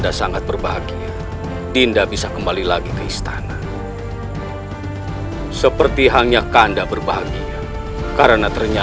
jangan lupa like share dan subscribe ya